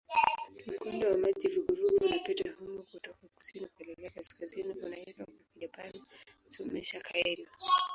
Mkondo wa maji vuguvugu unapita humo kutoka kusini kuelekea kaskazini unaoitwa kwa Kijapani "Tsushima-kairyū".